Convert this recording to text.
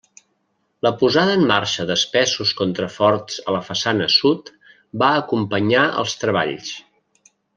La posada en marxa d'espessos contraforts a la façana sud va acompanyar els treballs.